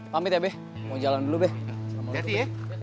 pamit bebe mau jalan dulu bebe